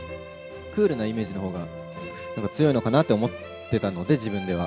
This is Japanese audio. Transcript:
クールなイメージのほうがなんか強いのかなと思ってたので、自分では。